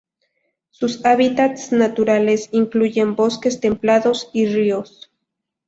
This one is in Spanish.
Sus hábitats naturales incluyen bosques templados y ríos.